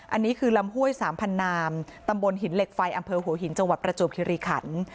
อันนี้คือลำห้วยสามพันนามตำบลหินเหล็กไฟอำเภอหัวหินจังหวัดประจวบคิริขัน